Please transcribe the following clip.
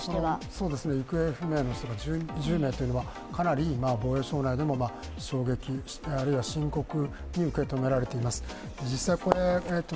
行方不明の人が１０名というのは、かなり防衛省内でも衝撃、あるいは深刻に受け止められています。